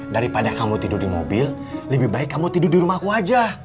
daripada kamu tidur di mobil lebih baik kamu tidur di rumahku aja